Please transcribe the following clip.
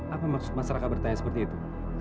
apa masyarakat bertanya seperti itu